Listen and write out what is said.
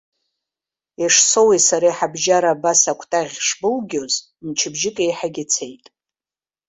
Ешсоуи сареи ҳабжьара абас акәтаӷь шбылгьоз, мчыбжьык еиҳагьы цеит.